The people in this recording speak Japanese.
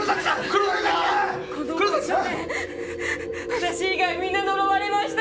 この場所で私以外みんな呪われました。